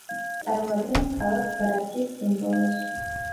წარმოადგენს ქალაქ გრაცის სიმბოლოს.